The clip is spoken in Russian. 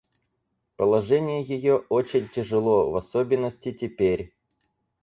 Положение ее очень тяжело, в особенности теперь.